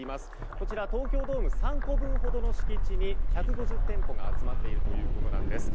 こちら東京ドーム３個分ほどの敷地に、１５０店舗が集まっているということです。